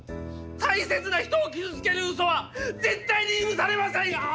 大切な人を傷つけるうそは絶対に許されません！